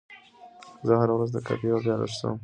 زه هره ورځ د کافي یوه پیاله څښم.